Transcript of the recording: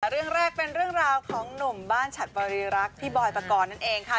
เรื่องแรกเป็นเรื่องราวของหนุ่มบ้านฉัดบริรักษ์พี่บอยปกรณ์นั่นเองค่ะ